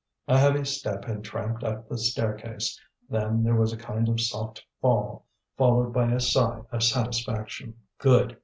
A heavy step had tramped up the staircase; then there was a kind of soft fall, followed by a sigh of satisfaction. "Good!"